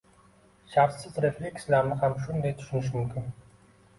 Shartsiz reflekslarni ham shunday tushunish mumkin.